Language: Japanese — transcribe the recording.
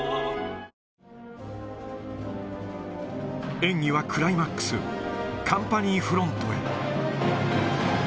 演技はクライマックス、カンパニーフロントへ。